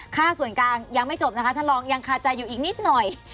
ค่าส่วนกลางยังไม่จบนะคะท่านรองยังคาใจอยู่อีกนิดหน่อย